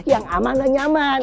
yang aman dan nyaman